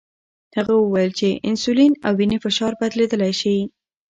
هغه وویل چې انسولین او وینې فشار بدلیدلی شي.